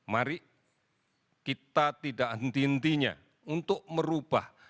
mari kita tidak henti hentinya untuk merubah